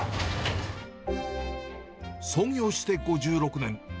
創業して５６年。